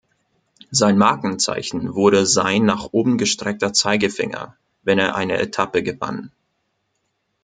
Sein Markenzeichen wurde sein nach oben gestreckter Zeigefinger, wenn er eine Etappe gewann.